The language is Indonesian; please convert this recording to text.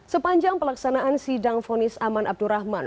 sepanjang pelaksanaan sidang fonis aman abdurrahman